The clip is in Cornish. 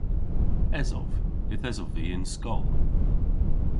Esov. Yth esov vy y'n skol.